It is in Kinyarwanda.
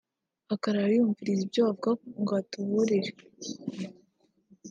akarara yumviriza ibyo bavuga ngo atuburire